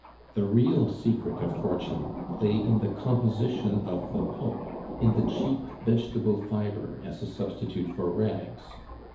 The real secret of fortune lay in the composition of the pulp, in the cheap vegetable fibre as a substitute for rags.